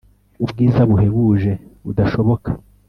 Ubwiza buhebuje budashoboka